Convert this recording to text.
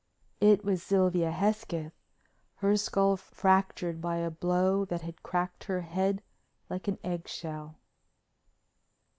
It was Sylvia Hesketh, her skull fractured by a blow that had cracked her head like an egg shell.